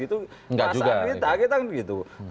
itu kerasan kita